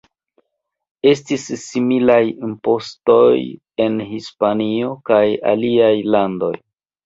Estis similaj impostoj en Hispanio kaj aliaj landoj.